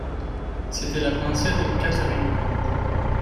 C'était la pensée de Catherine.